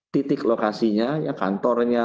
titik lokasinya kantornya